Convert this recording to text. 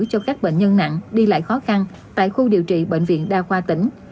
cho các bệnh nhân nặng đi lại khó khăn tại khu điều trị bệnh viện đa khoa tỉnh